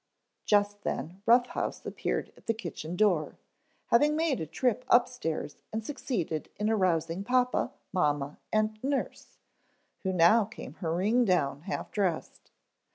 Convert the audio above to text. Just then Rough House appeared at the kitchen door, having made a trip upstairs and succeeded in arousing papa, mamma and nurse, who now came hurrying down half dressed.